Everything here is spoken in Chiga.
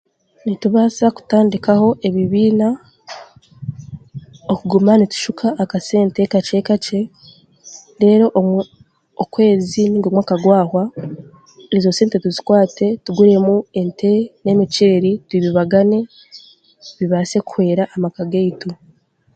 Nitubaasa kutandikaho ebibiina okuguma nitushuka akasente kakye kaye deero obu okwezi nainga omwaka gwahwa, ezo sente tuzikwate tuguremu ente, n'emiceeri tubibagane bibaase kuhwera amaka gaitu